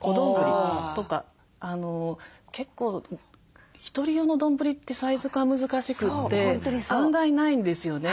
結構１人用の丼ってサイズ感難しくて案外ないんですよね。